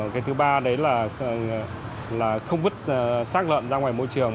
cái thứ ba đấy là không vứt sát lợn ra ngoài môi trường